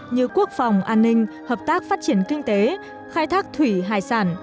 như quốc phòng an ninh hợp tác phát triển kinh tế khai thác thủy hải sản